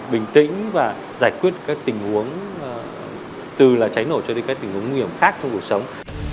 bình tĩnh và giải quyết các tình huống từ cháy nổ cho đến các tình huống nguy hiểm khác trong cuộc sống